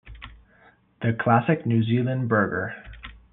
The classic New Zealand burger.